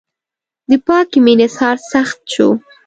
د پاکې مینې اظهار سخت شو.